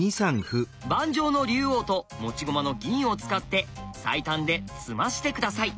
盤上の龍王と持ち駒の銀を使って最短で詰まして下さい。